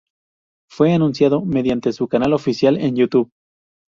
Fue anunciado mediante su canal oficial en YouTube.